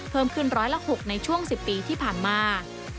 เพิ่มขึ้นร้อยละ๖ในช่วง๑๐ปีที่ผ่านมา